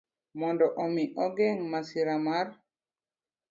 Mondo omi ogeng ' masira mar